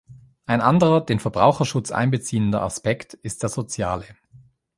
Ein anderer, den Verbraucherschutz einbeziehender Aspekt ist der soziale.